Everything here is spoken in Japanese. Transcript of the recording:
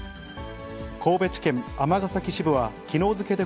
神戸地検尼崎支部はきのう付けで